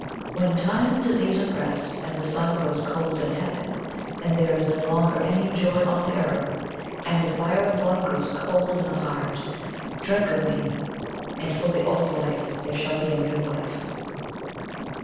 _When time and disease oppress, and the sun grows cold in heaven, and there is no longer any joy on the earth, and the fire of love grows cold in the heart, drink of me, and for the old life there shall be a new life.